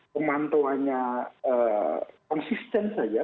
pemantauannya konsisten saja